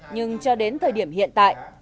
nhưng cho đến thời điểm hiện tại